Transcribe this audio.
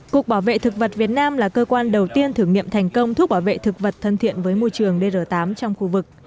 cục bảo vệ thực vật việt nam là cơ quan đầu tiên thử nghiệm thành công thuốc bảo vệ thực vật thân thiện với môi trường dr tám trong khu vực